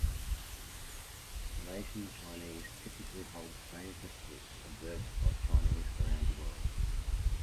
Malaysian Chinese typically hold the same festivals observed by Chinese around the world.